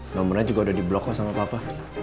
nomornya juga udah di blokos sama papa